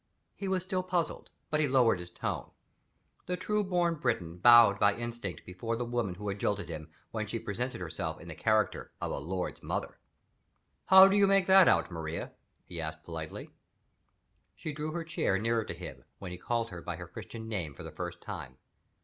He was still puzzled, but he lowered his tone. The true born Briton bowed by instinct before the woman who had jilted him, when she presented herself in the character of a lord's mother. "How do you make that out, Maria?" he asked politely. She drew her chair nearer to him, when he called her by her Christian name for the first time.